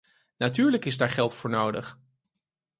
Natuurlijk is daar geld voor nodig.